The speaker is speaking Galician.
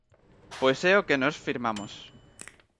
Pois é o que nós firmamos.